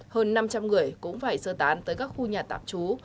hơn năm trăm linh người cũng phải sơ tán tới các khu nhà tạp trú